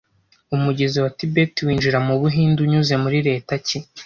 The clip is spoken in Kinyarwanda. Umugezi wa Tibet winjira mu Buhinde unyuze muri Leta ki